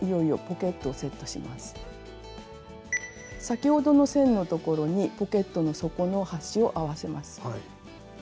先ほどの線の所にポケットの底の端を合わせます。